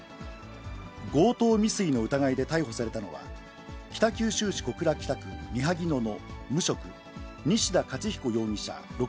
強盗未遂の疑いで逮捕されたのは、北九州市小倉北区三萩野の無職、西田克彦容疑者